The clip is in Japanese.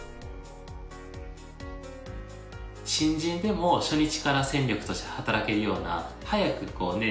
新人でも初日から戦力として働けるような早くこうね